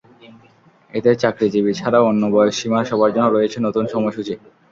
এতে চাকরিজীবী ছাড়াও অন্য বয়স সীমার সবার জন্য রয়েছে নতুন সময়সূচি।